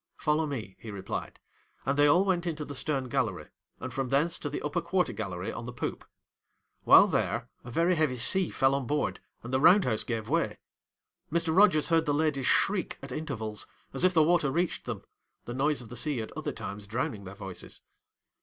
"Follow me," he replied, and they all went into the stern gallery, and from thence to the upper quarter gallery on the poop. While there, a very heavy sea fell on board, and the round house gave way; Mr. Rogers heard the ladies shriek at intervals, as if the water reached them; the noise of the sea at other times drowning their voices.